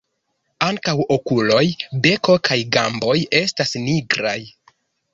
Ankaŭ okuloj, beko kaj gamboj estas nigraj.